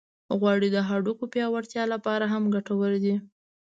غوړې د هډوکو پیاوړتیا لپاره هم ګټورې دي.